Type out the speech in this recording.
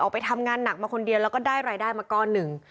ไปทำงานหนักมาคนเดียวแล้วก็ได้รายได้มาก้อนหนึ่ง